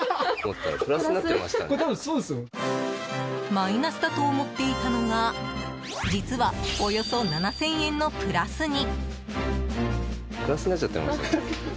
マイナスだと思っていたのが実はおよそ７０００円のプラスに。